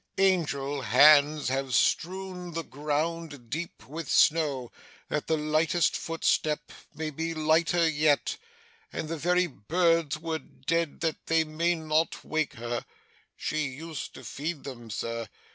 Angel hands have strewn the ground deep with snow, that the lightest footstep may be lighter yet; and the very birds are dead, that they may not wake her. She used to feed them, Sir.